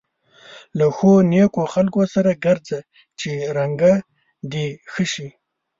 له ښو نېکو خلکو سره ګرځه چې رنګه دې ښه شي.